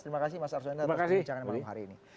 terima kasih mas arzwanda atas perbincangan malam hari ini